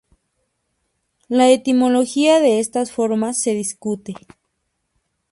La etimología de estas formas se discute.